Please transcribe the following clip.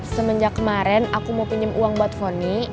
semenjak kemarin aku mau pinjam uang buat foni